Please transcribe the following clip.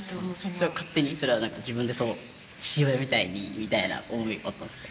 それは勝手にそれは何か自分で「父親みたいに」みたいな思いがあったんですか？